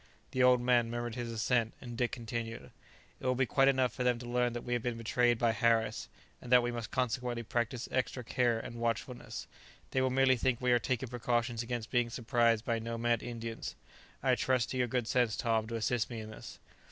The old man murmured his assent, and Dick continued: "It will be quite enough for them to learn that we have been betrayed by Harris, and that we must consequently practise extra care and watchfulness; they will merely think we are taking precautions against being surprised by nomad Indians. I trust to your good sense, Tom, to assist me in this."